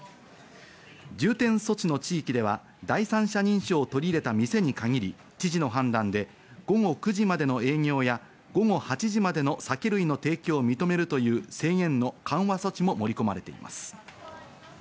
重点措置の地域では第三者認証を取り入れた店に限り、知事の判断で午後９時までの営業や午後８時までの酒類の提供を認めるという制限の緩和措置も盛り込まれています。